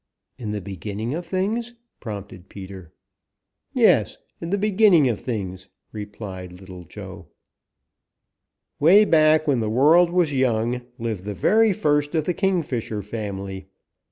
"In the beginning of things," prompted Peter. "Yes, in the beginning of things," replied Little Joe, "way back when the world was young, lived the very first of the Kingfisher family.